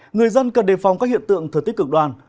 người dân cần đề phòng các hiện tượng thừa tích cực đoan